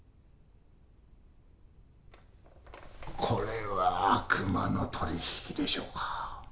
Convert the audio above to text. これは悪魔の取り引きでしょうか？